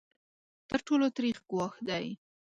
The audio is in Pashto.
تر ټولو تریخ ګواښ دی.